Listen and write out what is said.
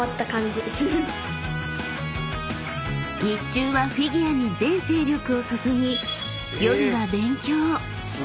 ［日中はフィギュアに全精力を注ぎ］